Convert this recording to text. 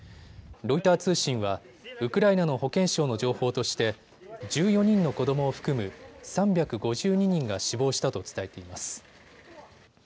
ロイター通信はウクライナの保健省の情報として１４人の子どもを含む３５２人が死亡したと伝えています。